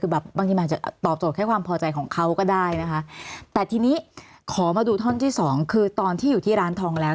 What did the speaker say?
คือแบบบางทีมันอาจจะตอบโจทย์แค่ความพอใจของเขาก็ได้นะคะแต่ทีนี้ขอมาดูท่อนที่สองคือตอนที่อยู่ที่ร้านทองแล้ว